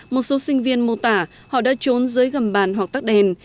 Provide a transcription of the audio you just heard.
một số sinh viên mô tả họ đã trốn dưới gầm bàn hoặc tắc đen